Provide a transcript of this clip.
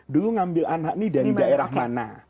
dulu ngambil anak ini dari daerah mana